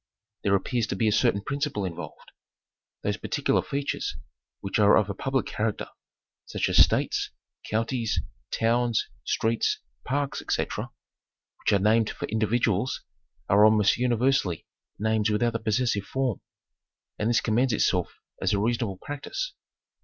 There appears to be a, certain principle involved. Those particular features which are of a public character, such as states, counties, towns, streets, parks, ete., which are named for individuals are almost universally named without the possessive form. And this commends itself as a reasonable practice.